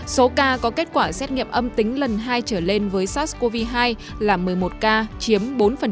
số ca có kết quả xét nghiệm âm tính lần hai trở lên với sars cov hai là một mươi một ca chiếm bốn